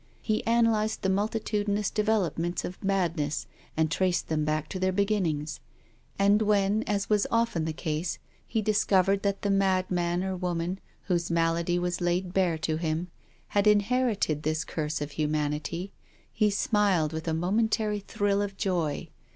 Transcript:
He analysed the multitudinous devel opments of madness and traced them back to their beginnings; and when, as was often the case, he discovered that the mad man or woman whose mal ady was laid bare to him had inherited this curse of humanity, he smiled with a momentary thrill of joy.